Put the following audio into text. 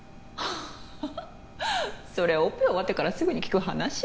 ハハッそれオペ終わってからすぐに聞く話？